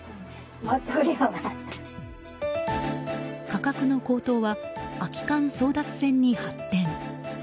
価格の高騰は空き缶争奪戦に発展。